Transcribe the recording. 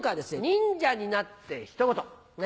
忍者になってひと言。